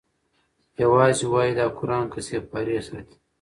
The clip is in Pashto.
یوازی وایي دا قران که سیپارې ساتی